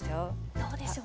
どうでしょう？